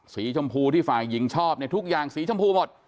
สีชมพูที่ฝ่ายหญิงชอบเนี่ยทุกอย่างสีชมพูหมด